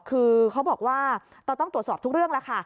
คือเขาบอกว่าเราต้องตรวจสอบทุกเรื่องแล้วค่ะ